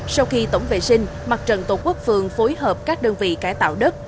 sau khi tổng vệ sinh mặt trận tổ quốc phường phối hợp các đơn vị cải tạo đất